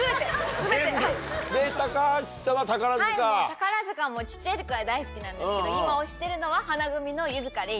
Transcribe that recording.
宝塚も小っちゃい時から大好きなんですけど今推してるのは花組の。